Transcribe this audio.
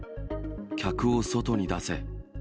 客を外に出せ！